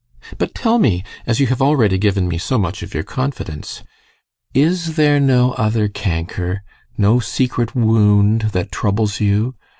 But tell me, as you have already given me so much of your confidence is there no other canker, no secret wound, that troubles you?